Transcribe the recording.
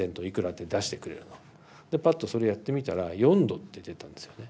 でぱっとそれやってみたら「４°」って出たんですよね。